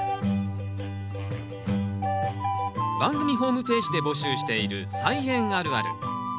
番組ホームページで募集している「菜園あるある」。